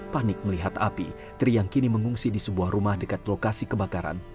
panik melihat api tri yang kini mengungsi di sebuah rumah dekat lokasi kebakaran